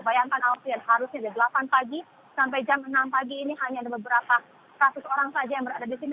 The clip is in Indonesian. bayangkan alfian harusnya dari delapan pagi sampai jam enam pagi ini hanya ada beberapa ratus orang saja yang berada di sini